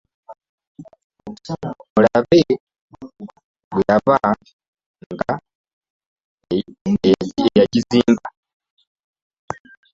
Mulabe bwe yebaka nga eyajizimba .